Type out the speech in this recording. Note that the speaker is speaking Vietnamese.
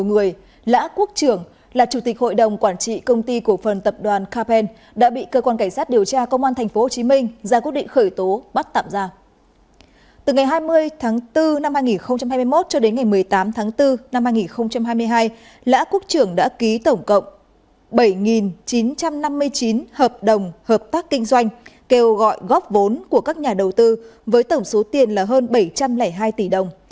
ngày hai mươi tháng bốn năm hai nghìn hai mươi một cho đến ngày một mươi tám tháng bốn năm hai nghìn hai mươi hai lã quốc trưởng đã ký tổng cộng bảy chín trăm năm mươi chín hợp đồng hợp tác kinh doanh kêu gọi góp vốn của các nhà đầu tư với tổng số tiền là hơn bảy trăm linh hai tỷ đồng